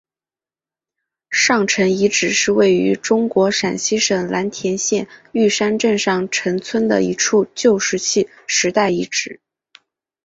上陈遗址是位于中国陕西省蓝田县玉山镇上陈村的一处旧石器时代遗址。